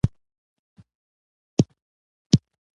هغې له نیکه ګانو اورېدلي وو.